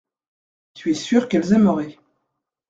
Tu es sûr qu’elles aimeraient.